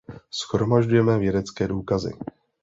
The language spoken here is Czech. Shromažďujeme vědecké důkazy.